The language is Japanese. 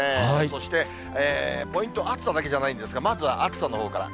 そしてポイント、暑さだけじゃないんですが、まずは暑さのほうから。